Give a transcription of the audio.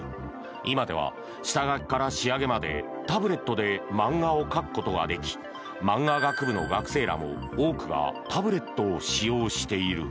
今では下書きから仕上げまでタブレットで漫画を描くことができマンガ学部の学生らも多くがタブレットを使用している。